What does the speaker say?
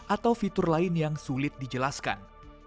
atau fitur lain yang sulit dijelaskan